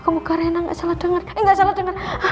muka reina gak salah denger